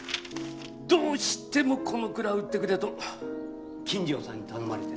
どうしてもこの蔵売ってくれと金城さんに頼まれてな。